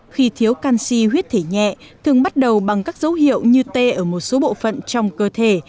khi thiếu canxi huyết thể nhẹ thường bắt đầu bằng các dấu hiệu như tê ở một số bộ phận trong cơ thể